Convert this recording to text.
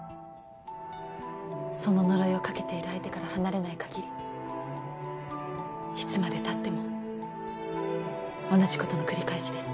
その呪いをかけている相手から離れないかぎりいつまでたっても同じことの繰り返しです。